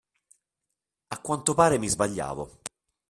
A quanto pare, mi sbagliavo.